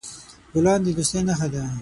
ګلان د دوستۍ نښه ده.